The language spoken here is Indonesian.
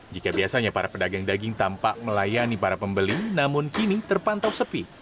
jika biasanya para pedagang daging tampak melayani para pembeli namun kini terpantau sepi